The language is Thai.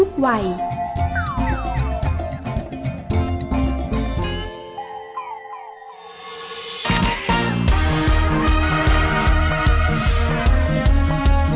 สวัสดีครับ